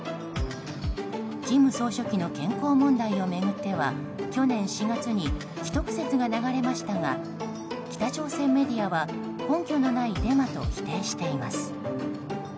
金総書記の健康問題を巡っては去年４月に危篤説が流れましたが北朝鮮メディアは根拠のないデマと否定しています。